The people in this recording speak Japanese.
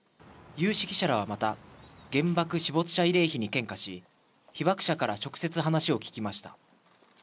有識者らはまた、原爆死没者慰霊碑に献花し、被爆者から直接話を聞きました。